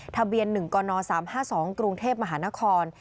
ทะเบียน๑กน๓๕๒กรุงเทพมหานคร